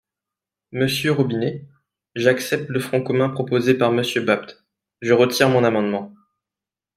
Monsieur Robinet ?… J’accepte le front commun proposé par Monsieur Bapt ! Je retire mon amendement.